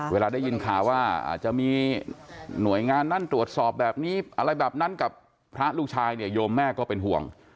เวลาได้ยินข่าวว่าอาจจะมีหน่วยงานนั้นตรวจสอบแบบนี้อะไรแบบนั้นกับพระลูกชายเนี่ยโยมแม่ก็เป็นห่วง